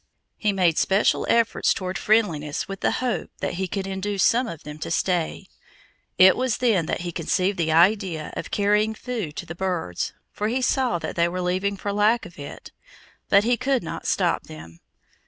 He made especial efforts toward friendliness with the hope that he could induce some of them to stay. It was then that he conceived the idea of carrying food to the birds; for he saw that they were leaving for lack of it; but he could not stop them.